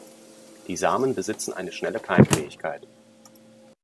Die Samen besitzen eine schnelle Keimfähigkeit.